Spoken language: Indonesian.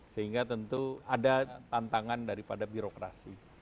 sehingga tentu ada tantangan daripada birokrasi